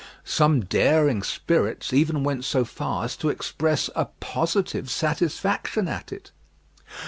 Some daring spirits even went so far as to express a positive satisfaction at it.